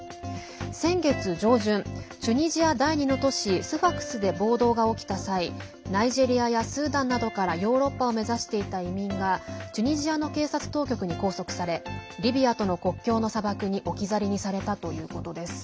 先月上旬、チュニジア第２の都市スファックスで暴動が起きた際ナイジェリアやスーダンなどからヨーロッパを目指していた移民がチュニジアの警察当局に拘束されリビアとの国境の砂漠に置き去りにされたということです。